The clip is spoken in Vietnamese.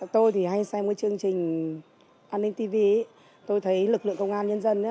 tôi thì hay xem cái chương trình an ninh tv tôi thấy lực lượng công an nhân dân